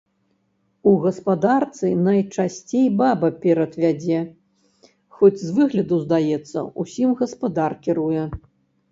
У гаспадарцы найчасцей баба перад вядзе, хоць з выгляду здаецца, усім гаспадар кіруе.